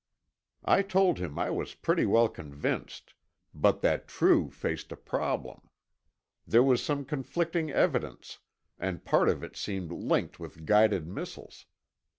I told him I was pretty well convinced, but that True faced a problem. There was some conflicting evidence, and part of it seemed linked with guided missiles.